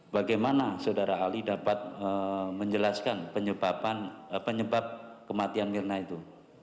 bagaimana saudara ali dapat menjelaskan penyebab kematian mirna itu